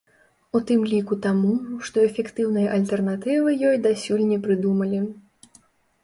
У тым ліку таму, што эфектыўнай альтэрнатывы ёй дасюль не прыдумалі.